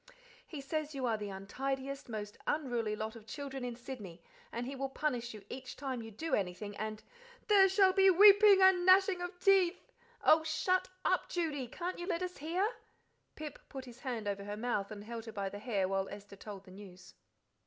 He says you are the untidiest, most unruly lot of children in Sydney, and he will punish you each time you do anything, and " "There shall be weeping and gnashing of teeth." "Oh, shut up, Judy! Can't you let us hear?" Pip put his hand over her mouth and held her by the hair while Esther told the news.